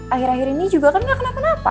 akhir akhir ini juga kan gak kenapa kenapa